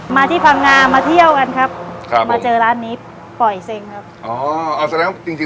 มาที่พังงามาเที่ยวกันครับมาเจอร้านนี้ปอยเซริงครับ